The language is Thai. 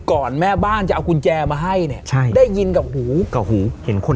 แม่บ้านจะเอากุญแจมาให้เนี่ยใช่ได้ยินกับหูกับหูเห็นคน